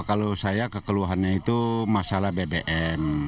kalau saya kekeluhannya itu masalah bbm